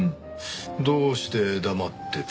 どうして黙ってた？